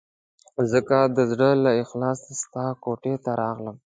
ځکه د زړه له اخلاصه ستا کوټې ته راغلم.